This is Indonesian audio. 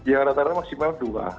ya rata rata maksimal dua